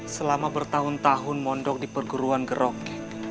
selama bertahun tahun mondok di perguruan gerok